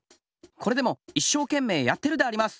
これでもいっしょうけんめいやってるであります。